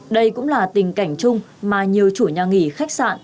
đây cũng là tình cảnh chung mà nhiều chủ nhà nghỉ khách sạn